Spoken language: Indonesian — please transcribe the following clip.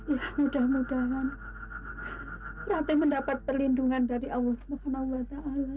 ya mudah mudahan rati mendapat perlindungan dari allah swt